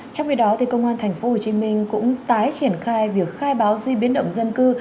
trong khi đó công an tp hồ chí minh cũng tái triển khai việc khai báo di biến động dân cư